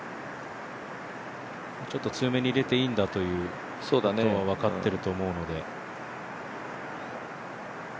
ちょっと強めに入れていいんだということが分かっていると思うので。